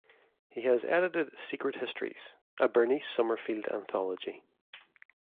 He has edited "Secret Histories", a Bernice Summerfield anthology.